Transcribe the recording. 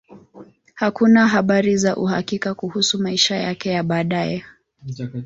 Hakuna habari za uhakika kuhusu maisha yake ya baadaye.